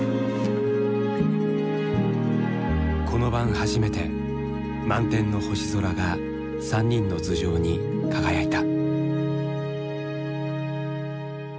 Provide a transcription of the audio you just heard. この晩初めて満天の星空が３人の頭上に輝いた。